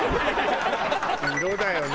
色だよな。